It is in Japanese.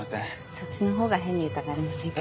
そっちのほうが変に疑われませんか？